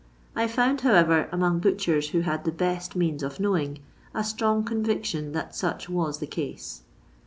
I found, how ever, among butchers who had the best means of knowing, a strong conviction that such was the case.